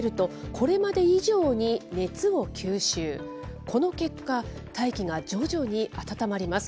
この結果、大気が徐々に暖まります。